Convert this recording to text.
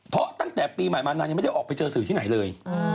เพราะตั้งแต่ปีใหม่มานานยังไม่ได้ออกไปเจอสื่อที่ไหนเลย